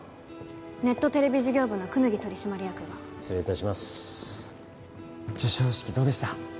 ネットテレビ事業部の功刀取締役が失礼いたします授賞式どうでした？